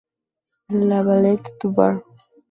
La Valette-du-Var